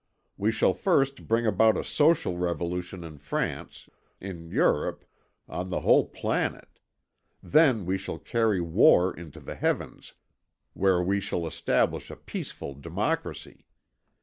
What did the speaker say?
We shall first bring about a social revolution in France, in Europe, on the whole planet; then we shall carry war into the heavens, where we shall establish a peaceful democracy.